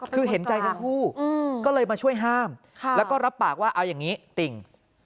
คือเห็นใจทั้งคู่ก็เลยมาช่วยห้ามแล้วก็รับปากว่าเอาอย่างนี้ติ่ง